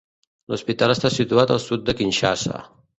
L'hospital està situat al sud de Kinshasa.